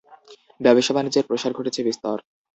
ব্যবসা বাণিজ্যের প্রসার ঘটেছে বিস্তর।